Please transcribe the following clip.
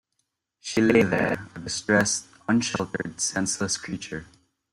She lay there, a distressed, unsheltered, senseless creature.